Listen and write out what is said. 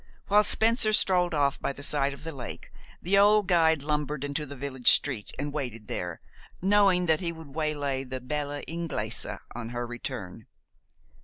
While Spencer strolled off by the side of the lake, the old guide lumbered into the village street, and waited there, knowing that he would waylay the bella Inglesa on her return.